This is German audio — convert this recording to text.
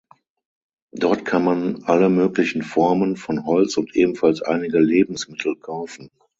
Dort kann man alle möglichen Formen von Holz und ebenfalls einige Lebensmittel kaufen.